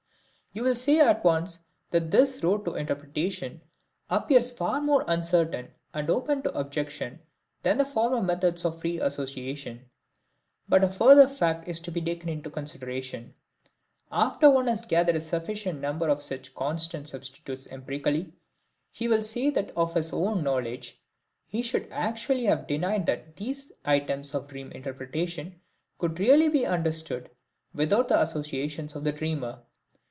You will say at once that this road to interpretation appears far more uncertain and open to objection than the former methods of free association. But a further fact is to be taken into consideration. After one has gathered a sufficient number of such constant substitutes empirically, he will say that of his own knowledge he should actually have denied that these items of dream interpretation could really be understood without the associations of the dreamer.